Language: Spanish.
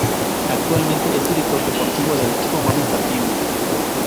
Actualmente, es director deportivo del equipo Movistar Team.